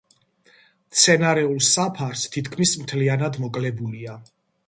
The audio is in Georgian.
მცენარეულ საფარს თითქმის მთლიანად მოკლებულია.